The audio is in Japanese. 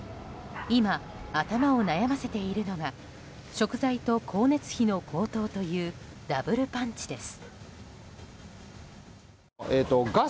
今、頭を悩ませているのが食材と光熱費の高騰というダブルパンチです。